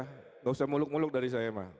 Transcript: tidak usah muluk muluk dari saya mah